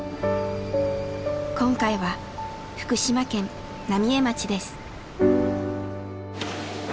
今回は福島県浪江町です。